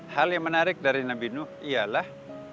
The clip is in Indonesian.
hal yang menarik dari nabi nuh ialah